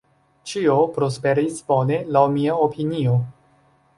Ĉio prosperis bone laŭ mia opinio.